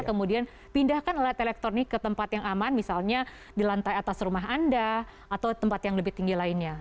kemudian pindahkan alat elektronik ke tempat yang aman misalnya di lantai atas rumah anda atau tempat yang lebih tinggi lainnya